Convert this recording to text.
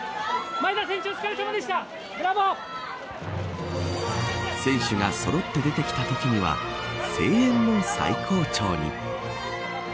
前田選手選手がそろって出てきたときには声援も最高潮に。